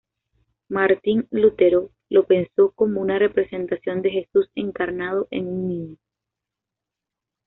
Martín Lutero lo pensó como una representación de Jesús encarnado en un niño.